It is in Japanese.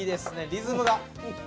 リズムが。